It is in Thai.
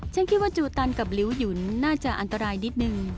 ฉันคิดว่าจูตันกับลิ้วหยุนน่าจะอันตรายนิดนึง